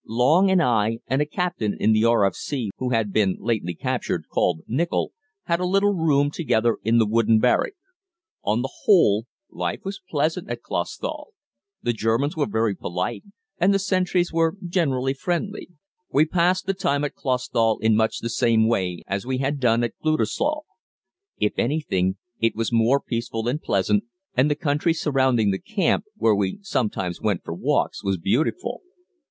Long and I, and a captain in the R.F.C. who had been lately captured, called Nichol, had a little room together in the wooden barrack. On the whole, life was pleasant at Clausthal. The Germans were very polite, and the sentries were generally friendly. We passed the time at Clausthal in much the same way as we had done at Gütersloh. If anything, it was more peaceful and pleasant, and the country surrounding the camp, where we sometimes went for walks, was beautiful.